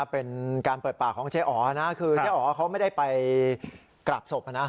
เป็นการเปิดปากของเจ๊อ๋อนะคือเจ๊อ๋อเขาไม่ได้ไปกราบศพนะ